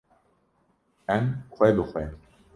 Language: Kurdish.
Em xwe bi xwe